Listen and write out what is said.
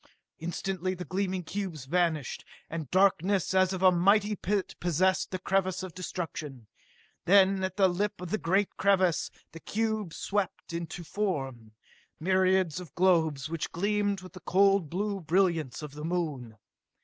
Instantly the gleaming cubes vanished, and darkness as of a mighty pit possessed the crevasse of destruction. Then, at the lip of the great crevasse, the cubes swept into form myriads of globes which gleamed with the cold blue brilliance of the Moon!